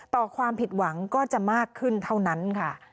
ความผิดหวังก็จะมากขึ้นเท่านั้นค่ะ